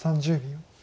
３０秒。